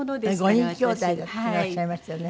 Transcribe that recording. ５人きょうだいだっていう風におっしゃいましたよね。